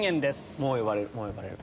もう呼ばれる。